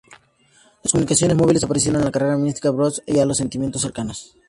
Las comunicaciones móviles aparecieron en la carretera Minsk-Brest-Orsha y en los asentamientos cercanos.